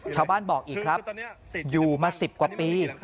ชาวบ้านบอกอีกครับอยู่มา๑๐กว่าปี